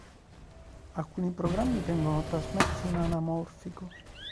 Alcuni programmi vengono trasmessi in anamorfico.